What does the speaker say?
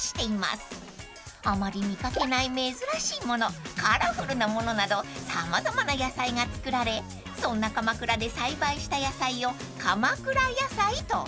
［あまり見掛けない珍しいものカラフルなものなど様々な野菜が作られそんな鎌倉で栽培した野菜を鎌倉野菜と呼んでいます］